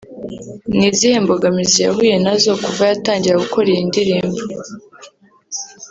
ni izihe mbogamizi yahuye na zo kuva yatangira gukora iyi ndirimbo